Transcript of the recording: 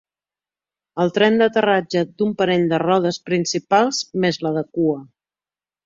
El tren d'aterratge d'un parell de rodes principals més la de cua.